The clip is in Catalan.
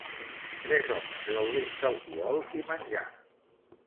Tres homes gaudint d'alcohol i menjar.